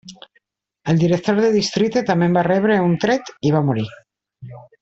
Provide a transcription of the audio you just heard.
El director de districte també va rebre un tret i va morir.